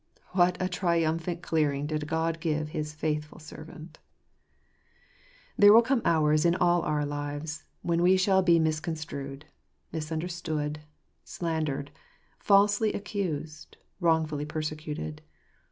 What a triumphant clearing did God give His faithful servant ! There will come hours in all our lives, when we shall be misconstrued, misunderstood, slandered, falsely accused, wrongfully persecuted.